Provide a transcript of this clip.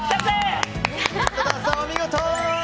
井戸田さん、お見事。